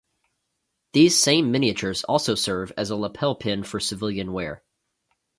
These same miniatures also serves as a lapel pin for civilian wear.